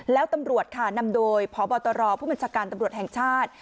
แล้วตำรวจค่ะนำโดยพบตรผู้บัญชาการตำรวจแห่งชาติ